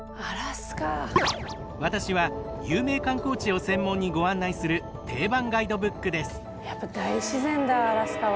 私は有名観光地を専門にご案内する定番ガイドブックです。